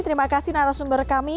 terima kasih narasumber kami